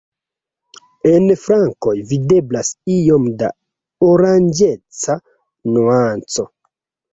En flankoj videblas iom da oranĝeca nuanco.